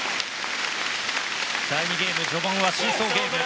第２ゲーム序盤はシーソーゲーム。